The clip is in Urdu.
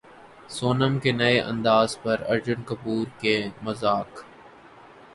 سونم کے نئے انداز پر ارجن کپور کا مذاق